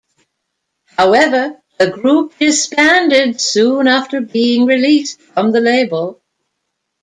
However, the group disbanded soon after being released from the label.